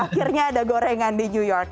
akhirnya ada gorengan di new york